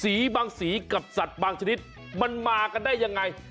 บางสีกับสัตว์บางชนิดมันมากันได้ยังไง